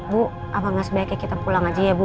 bu apa gak sebaiknya kita pulang aja ya bu